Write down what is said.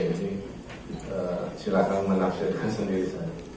jadi silakan menaksirkan sendiri saya